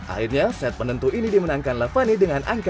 akhirnya set penentu ini dimenangkan lavani dengan angka lima belas sembilan